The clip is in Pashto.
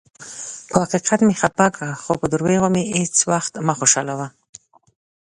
پۀ حقیقت مې خفه کړه، خو پۀ دروغو مې هیڅ ؤخت مه خوشالؤه.